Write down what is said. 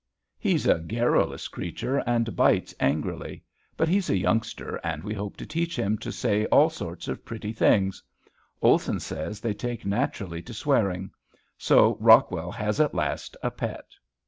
He's a garrulous creature and bites angrily; but he's a youngster and we hope to teach him to say all sorts of pretty things; Olson says they take naturally to swearing. So Rockwell has at last a pet.